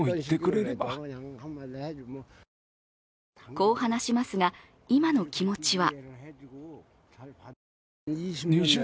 こう話しますが、今の気持ちは。